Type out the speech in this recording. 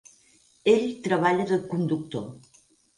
Ell treballa de conductor.